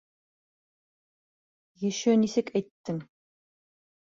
Еще нисек әйттең!